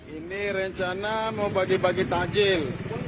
ini rencana mau bagi bagi takjil